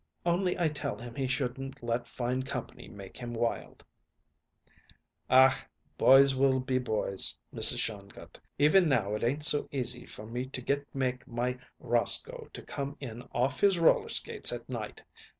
Only I tell him he shouldn't let fine company make him wild." "Ach, boys will be boys, Mrs. Shongut. Even now it ain't so easy for me to get make my Roscoe to come in off his roller skates at night.